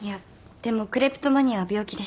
でもクレプトマニアは病気です。